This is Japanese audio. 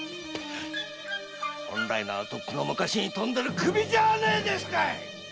本来ならとっくの昔に飛んでる首じゃねえですかい！